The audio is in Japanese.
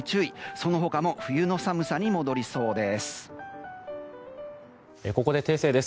その他も冬の寒さに戻りそうです。